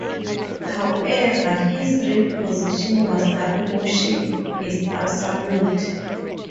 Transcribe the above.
However, his real position was that motion is absolute.